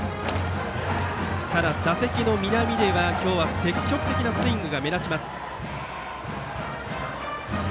打席の南出は今日は積極的なスイングが目立ちます。